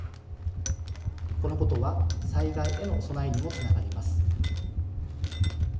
このことは災害への備えにもつながります。